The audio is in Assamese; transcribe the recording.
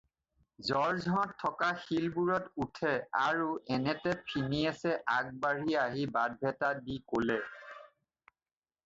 জৰ্জহঁত থকা শিলবোৰত উঠে আৰু এনেতে ফিনিএছে আগবাঢ়ি আহি বাটভেটা দি ক'লে।